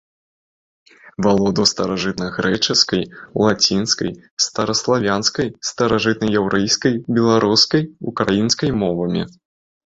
Валодаў старажытнагрэчаскай, лацінскай, стараславянскай, старажытнаяўрэйскай, беларускай, украінскай мовамі.